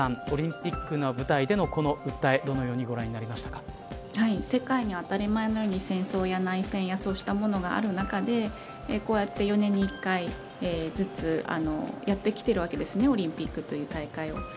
オリンピックの舞台でのこの訴え世界に当たり前のように戦争や内戦やそうしたものがある中でこうやって４年に１回ずつやってきてるわけですねオリンピックという大会を。